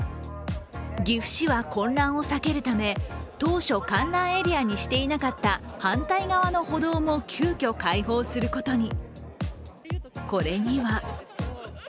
岐阜市は混乱を避けるため当初、観覧エリアにしていなかった反対側の歩道も急きょ、開放することに。